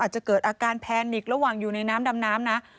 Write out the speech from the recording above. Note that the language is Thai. จะเกิดอาการแพนิกระหว่างอยู่ในน้ำดำน้ำนะ